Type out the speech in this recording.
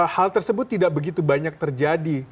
hal tersebut tidak begitu banyak terjadi